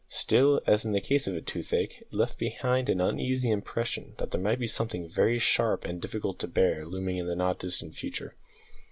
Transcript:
Still, as in the case of toothache, it left behind an uneasy impression that there might be something very sharp and difficult to bear looming in the not distant future.